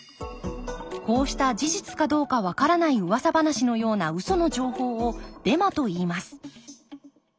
こうした事実かどうかわからないうわさ話のようなウソの情報をデマといいます。